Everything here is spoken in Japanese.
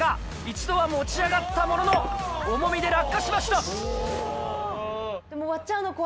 一度は持ち上がったものの重みで落下しました！